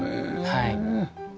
はい。